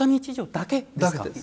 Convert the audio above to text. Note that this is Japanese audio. だけです。